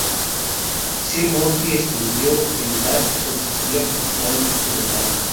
Sir Humphry estudió el gas, que consistía principalmente de metano.